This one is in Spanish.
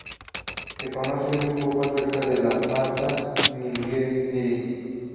Se conoce muy poco acerca de la marta de Nilgiri.